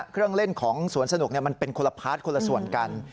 เครื่องเล่นของสวนสนุกมันเป็นคนละพาร์ทคนละส่วนกัน